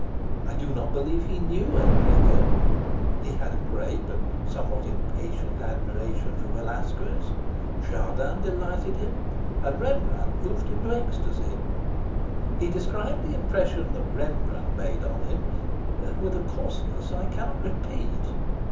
I do not believe he knew El Greco. He had a great but somewhat impatient admiration for Velasquez. Chardin delighted him, and Rembrandt moved him to ecstasy. He described the impression that Rembrandt made on him with a coarseness I cannot repeat.